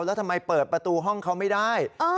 แล้วทำไมเปิดประตูห้องเขาไม่ได้